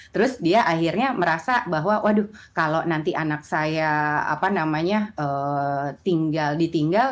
terus dia akhirnya merasa bahwa waduh kalau nanti anak saya tinggal ditinggal